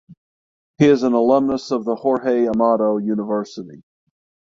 He is an alumnus of the Jorge Amado University.